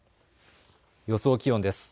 予想気温です。